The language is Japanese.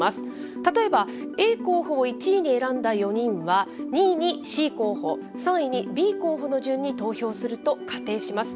例えばＡ候補を１位に選んだ４人は、２位にＣ候補、３位にＢ候補の順に投票すると仮定します。